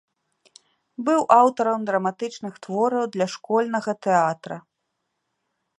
Быў аўтарам драматычных твораў для школьнага тэатра.